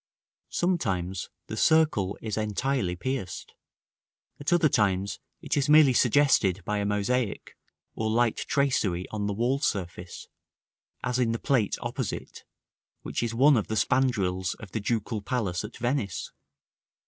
] Sometimes the circle is entirely pierced; at other times it is merely suggested by a mosaic or light tracery on the wall surface, as in the plate opposite, which is one of the spandrils of the Ducal Palace at Venice.